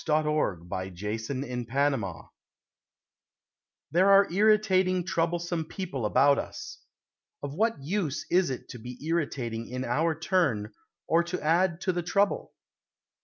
A PROBLEM TO BE SOLVED There are irritating, troublesome people about us. Of what use is it to be irritating in our turn or to add to the trouble?